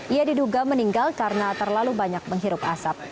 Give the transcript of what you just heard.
ia diduga meninggal karena terlalu banyak menghirup asap